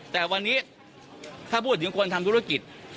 แต่วันนี้ถ้าพูดถึงคนทำธุรกิจ